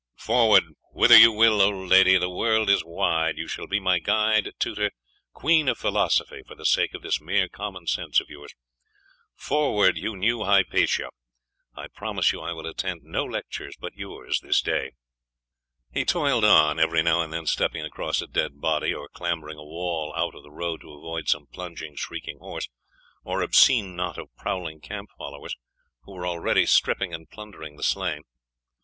'Forward! Whither you will, old lady! The world is wide. You shall be my guide, tutor, queen of philosophy, for the sake of this mere common sense of yours. Forward, you new Hypatia! I promise you I will attend no lectures but yours this day!' He toiled on, every now and then stepping across a dead body, or clambering a wall out of the road, to avoid some plunging, shrieking horse, or obscene knot of prowling camp followers, who were already stripping and plundering the slain....